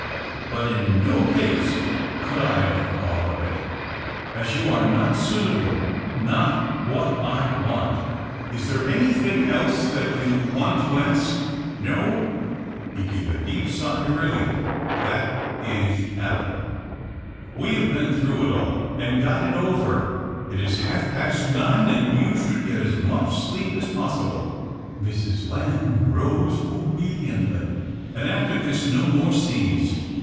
But in no case could I have thought of it, as you are not suitable, not what I want. Is there anything else that you w\ant to ask ? No ?" He gave a deep sigh of relief. " That is capital ; we have been through it all, and got it over. It is half past nine, and you should get as much sleep as possible." Mrs. Lamb rose obediently. " And after this, no more scenes.